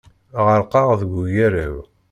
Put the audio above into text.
Ɣerqeɣ deg ugaraw.